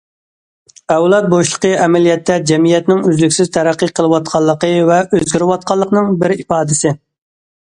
ئەۋلاد بوشلۇقى ئەمەلىيەتتە جەمئىيەتنىڭ ئۈزلۈكسىز تەرەققىي قىلىۋاتقانلىقى ۋە ئۆزگىرىۋاتقانلىقىنىڭ بىر ئىپادىسى.